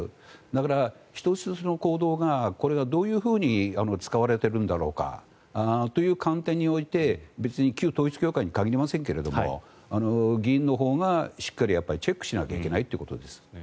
だから、１つ１つの行動がどういうふうに使われているんだろうかという観点において別に旧統一教会に限りませんが議員のほうがしっかりチェックしなきゃいけないということです。